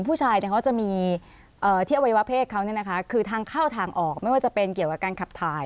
ผู้ชายเขาจะมีที่อวัยวะเพศเขาคือทางเข้าทางออกไม่ว่าจะเป็นเกี่ยวกับการขับถ่าย